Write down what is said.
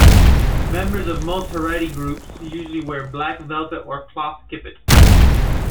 Members of most Haredi groups usually wear black velvet or cloth kippot.